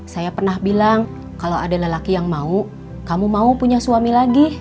saya pernah bilang kalau ada lelaki yang mau kamu mau punya suami lagi